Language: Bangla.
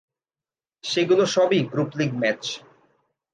সেগুলোর সব ই গ্রুপ লীগ ম্যাচ।